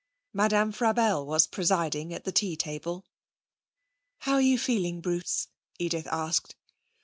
Madame Frabelle was presiding at the tea table. 'How are you feeling, Bruce?' Edith asked.